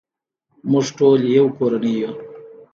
موږ ټول یو کورنۍ یو.